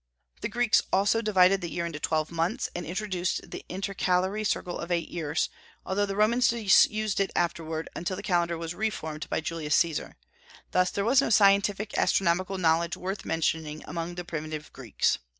The Greeks also divided the year into twelve months, and introduced the intercalary circle of eight years, although the Romans disused it afterward, until the calendar was reformed by Julius Caesar. Thus there was no scientific astronomical knowledge worth mentioning among the primitive Greeks.